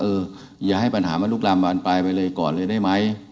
เอออย่าให้ปัญหามนุษย์รามวันไปไปเลยก่อนเลยได้ไหม